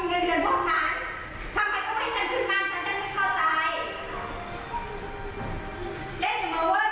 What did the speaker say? เล่นอยู่มาเวอร์เดี๋ยวพูดอย่างนี้เป็นเล่นติด